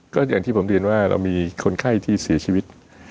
ก็อย่างที่ผมเรียนว่าเรามีคนไข้ที่เสียชีวิต